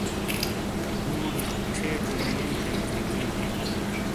بوڑی ڇھیڇو نی نیݨ تھم تھے گئی۔